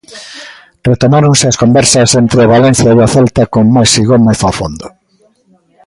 Retomáronse as conversas entre o Valencia e o Celta con Maxi Gómez ao fondo.